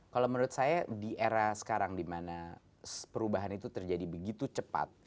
kalau menurut saya di era sekarang di mana perubahan itu terjadi begitu cepat